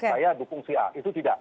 saya dukung si a itu tidak